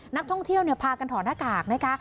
นักท่องเที่ยวพากันถอดหน้ากากนะคะ